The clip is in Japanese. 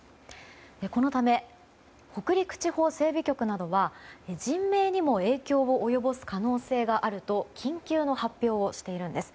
このため北陸地方整備局などは人命にも影響を及ぼす可能性があると緊急の発表をしているんです。